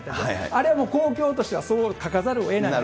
あれも公共としてはそう書かざるをえない。